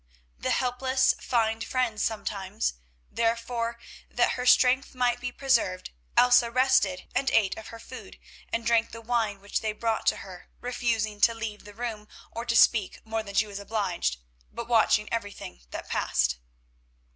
The helpless find friends sometimes. Therefore, that her strength might be preserved, Elsa rested and ate of her food, and drank the wine which they brought to her, refusing to leave the room, or to speak more than she was obliged, but watching everything that passed.